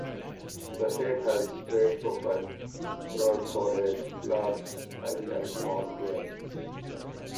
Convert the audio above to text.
The head has a straight profile, broad forehead, large eyes and small ears.